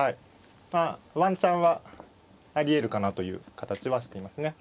まあワンチャンはありえるかなという形はしていますね。